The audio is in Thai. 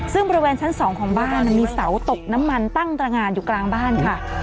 ซึ่งบริเวณชั้น๒ของบ้านมีเสาตกน้ำมันตั้งตรงานอยู่กลางบ้านค่ะ